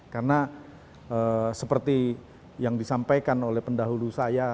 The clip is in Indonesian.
karena seperti yang disampaikan oleh pendahulu saya